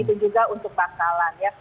itu juga untuk pangkalan ya